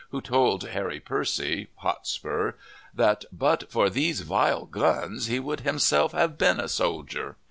who told Harry Percy (Hotspur) that "but for these vile guns he would himself have been a soldier."